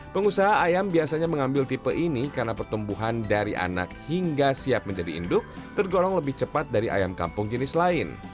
pengusaha ayam biasanya mengambil tipe ini karena pertumbuhan dari anak hingga siap menjadi induk tergolong lebih cepat dari ayam kampung jenis lain